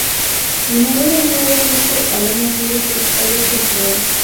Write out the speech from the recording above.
نوموړی نه یوازې ستر عالم او فیلسوف و.